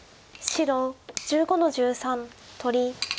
白１５の十三取り。